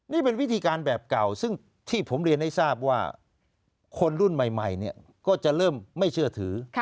นี่เป็นวิธีการแบบเก่าซึ่งที่ผมเรียนให้ทราบว่าคนรุ่นใหม่ก็จะเริ่มไม่เชื่อถือ